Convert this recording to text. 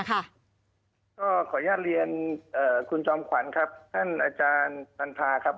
ก็ขออนุญาตเรียนคุณจอมขวัญครับท่านอาจารย์นันทาครับ